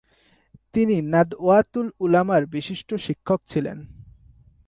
তিনি নাদওয়াতুল উলামার বিশিষ্ট শিক্ষক ছিলেন।